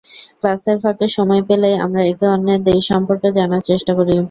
ক্লাসের ফাঁকে সময় পেলেই আমরা একে অন্যের দেশ সম্পর্কে জানার চেষ্টা করি।